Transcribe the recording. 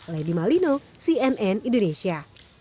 lady malino cnn indonesia